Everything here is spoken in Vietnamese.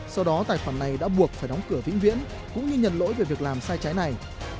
sau đó tài khoản này đã buộc phải đóng cửa vĩnh viễn cũng như nhận lỗi về việc làm sai trái này